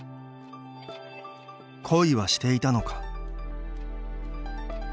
「恋はしていたのか」